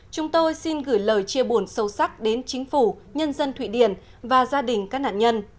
chúng tôi xin gửi lời chia buồn sâu sắc đến chính phủ nhân dân thụy điển và gia đình các nạn nhân